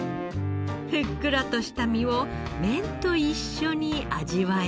ふっくらとした身を麺と一緒に味わえます。